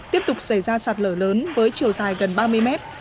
tiếp tục xảy ra sạt lở lớn với chiều dài gần ba mươi mét